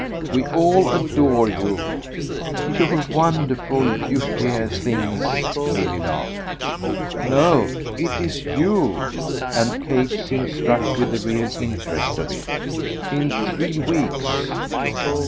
"We all adore you." "You're wonderful you dear things!" Milly laughed. "No, it's YOU." And Kate seemed struck with the real interest of it. "In three weeks!"